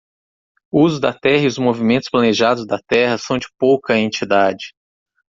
O uso da terra e os movimentos planejados da terra são de pouca entidade.